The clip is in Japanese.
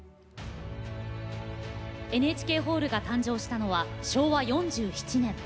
ＮＨＫホールが誕生したのは昭和４７年。